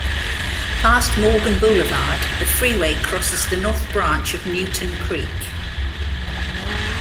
Past Morgan Boulevard, the freeway crosses the North Branch of Newton Creek.